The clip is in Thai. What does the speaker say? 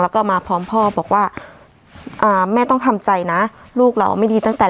แล้วก็มาพร้อมพ่อบอกว่าอ่าแม่ต้องทำใจนะลูกเราไม่ดีตั้งแต่